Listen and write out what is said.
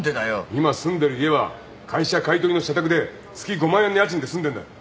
今住んでる家は会社買い取りの社宅で月５万円の家賃で済んでんだよ。